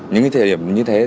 những thời điểm như thế